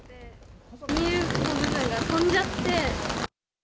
ビニールの部分が飛んじゃって。